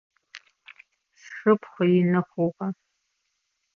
Сшыпхъу ины хъугъэ.